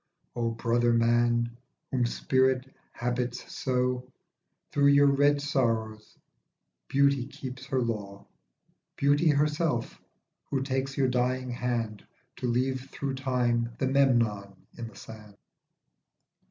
O brother man, whom spirit habits so, Through j: your .red sorrows Beauty keeps her law, Beauty herself, who takeslyour dying hand, To leave through Time the Memnon in the sand.